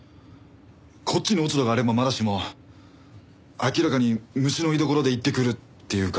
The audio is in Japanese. こっちに落ち度があればまだしも明らかに虫の居所で言ってくるっていうか。